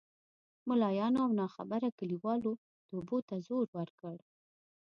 ملایانو او ناخبره کلیوالو توبو ته زور ورکړ.